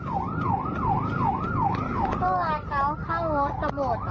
พ่อเขากินเข้ารถสำรวจเหรอ